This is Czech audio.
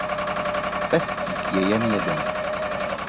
Pestík je jen jeden.